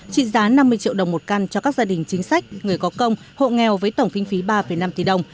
trị giá năm mươi triệu đồng một căn cho các gia đình chính sách người có công hộ nghèo với tổng kinh phí ba năm tỷ đồng